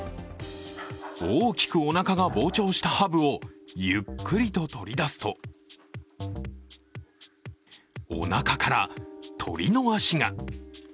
大きくおなかが膨張したハブをゆっくりと取り出すと、おなかから鳥の足が。